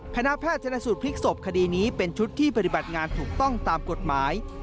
คณะแพทย์ชนสูตรพลิกศพคดีนี้เป็นชุดที่ปฏิบัติงานถูกต้องตามกฎหมาย